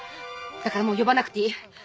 だからもう呼ばなくていい。